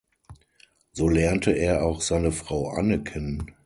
So lernte er auch seine Frau Anne kennen.